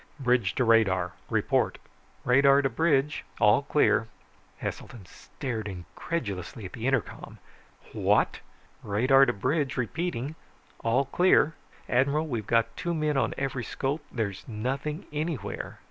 "Bridge to radar! Report." "Radar to bridge. All clear." Heselton stared incredulously at the intercom. "What?" "Radar to bridge, repeating. All clear. Admiral, we've got two men on every scope, there's nothing anywhere."